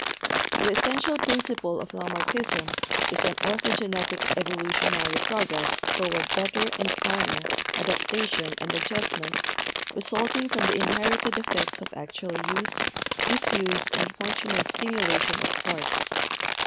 "The essential principle of Lamarckism is an ortho genetic evolutionary progress toward better and finer adaptation and adjustment resulting from the inherited effects of actual use, disuse, and functional stimulation of parts.